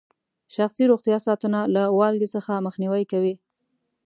شخصي روغتیا ساتنه له والګي څخه مخنیوي کوي.